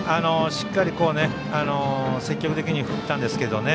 しっかり積極的に振ったんですけどね。